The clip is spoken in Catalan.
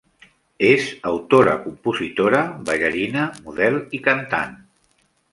És autora-compositora, ballarina, model i cantant.